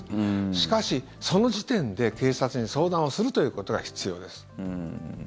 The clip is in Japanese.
しかし、その時点で警察に相談をするということが必要です。